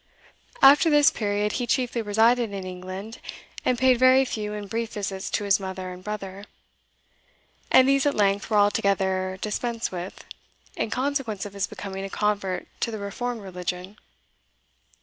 After this period, he chiefly resided in England, and paid very few and brief visits to his mother and brother; and these at length were altogether dispensed with, in consequence of his becoming a convert to the reformed religion.